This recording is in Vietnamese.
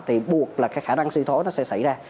thì buộc là cái khả năng suy thố nó sẽ xảy ra